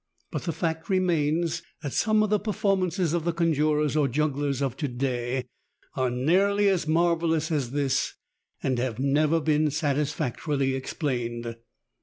But the fact remains that some of the performances of the conjurers or jugglers of to day are nearly as marvelous as this and have never been satisfactorily explained.